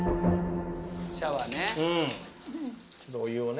シャワーね。